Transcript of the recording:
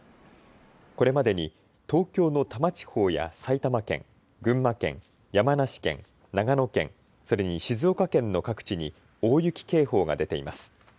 これまでに東京の多摩地方や埼玉県、群馬県、山梨県、長野県、それに静岡県の各地に大雪警報が出ています。